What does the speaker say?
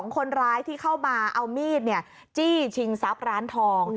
คนร้ายที่เข้ามาเอามีดจี้ชิงทรัพย์ร้านทอง